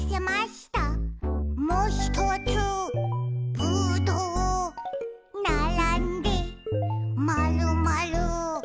「もひとつぶどう」「ならんでまるまる」